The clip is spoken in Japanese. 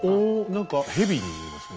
何か蛇に見えますね。